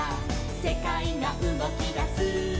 「せかいがうごきだす」「」